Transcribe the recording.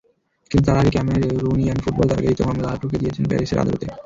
কিন্তু তার আগেই ক্যামেরুনিয়ান ফুটবল তারকা ইতো মামলা ঠুকে দিয়েছেন প্যারিসের আদালতে।